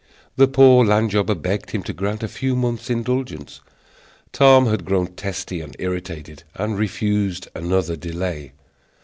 The poor land jobber begged him to grant a few months' indulgence. Tom had grown testy and irritated, and refused another delay.